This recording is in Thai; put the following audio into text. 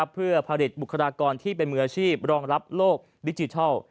เพื่อผลิตบุคลากรที่เป็นมืออาชีพรองรับโลกดิจิทัล